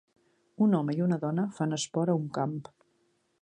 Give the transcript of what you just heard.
Un home i una dona fan esport a un camp.